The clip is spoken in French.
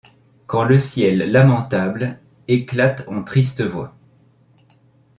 Quand le ciel lamentable éclate en tristes voix ;